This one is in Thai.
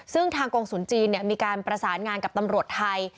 ซึ่งทางกรงศูนย์จีนมีการประสานงานกับตำรวจไทย